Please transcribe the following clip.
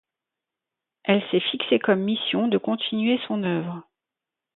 Elle s'est fixé comme mission de continuer son œuvre.